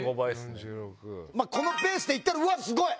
このペースで行ったらうわすごい！